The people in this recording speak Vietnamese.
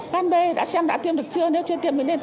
căn bê đã xem đã tiêm được chưa nếu chưa tiêm được